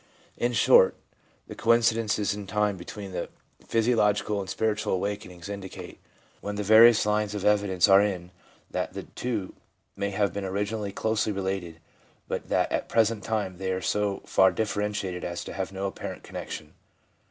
In short, the coincidences in time between the physiological and spiritual awakenings indicate, when the various lines of evidence are in, that the two may have been originally closely related, but that at the present time they are so far differentiated as to have no apparent connection.